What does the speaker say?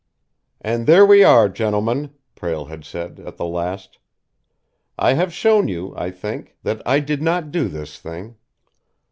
"And there we are, gentlemen," Prale had said, at the last. "I have shown you, I think, that I did not do this thing.